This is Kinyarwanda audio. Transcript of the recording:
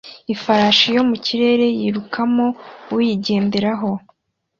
Ifarashi yo mu kirere yikuramo uyigenderaho